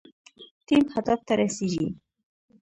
ټیم هدف ته رسیږي